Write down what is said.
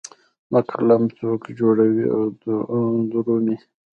د قلم څوکې جوړوي او درومې